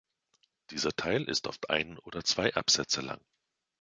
Dieser Teil ist oft ein oder zwei Absätze lang.